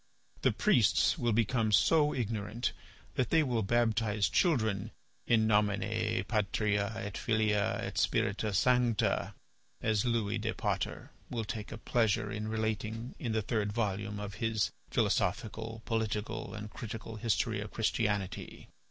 The priests will become so ignorant that they will baptize children in nomine patria et filia et spirita sancta, as Louis de Potter will take a pleasure in relating in the third volume of his 'Philosophical, Political, and Critical History of Christianity.